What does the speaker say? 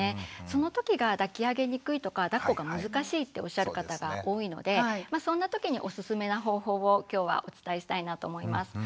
その時が抱き上げにくいとかだっこが難しいっておっしゃる方が多いのでそんな時におすすめな方法を今日はお伝えしたいなと思います。